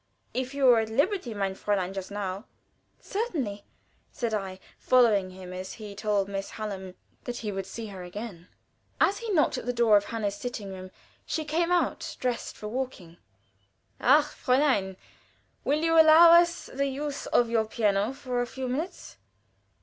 If you were at liberty, mein Fräulein, just now " "Certainly," said I, following him, as he told Miss Hallam that he would see her again. As he knocked at the door of Anna's sitting room she came out, dressed for walking. "Ach, Fräulein! will you allow us the use of your piano for a few minutes?"